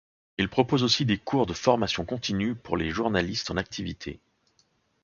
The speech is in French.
Il propose aussi des cours de formation continue pour les journalistes en activité.